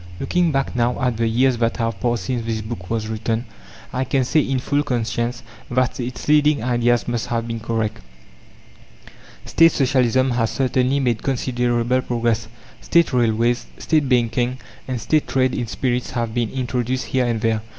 Looking back now at the years that have passed since this book was written, I can say in full conscience that its leading ideas must have been correct. State Socialism has certainly made considerable progress. State railways, State banking, and State trade in spirits have been introduced here and there.